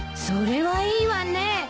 それはいいわね。